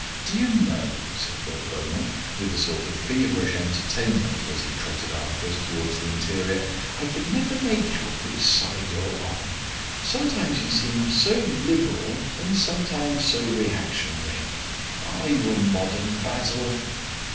"Do you know," said Lord Beaumont, with a sort of feverish entertainment, as he trotted after us towards the interior, "I can never quite make out which side you are on. Sometimes you seem so liberal and sometimes so reactionary. Are you a modern, Basil?"